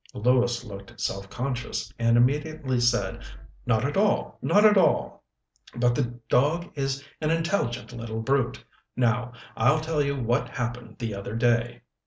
Lewis looked self conscious, and immediately said: "Not at all; not at all. But the dog is an intelligent little brute. Now, I'll tell you what happened the other day."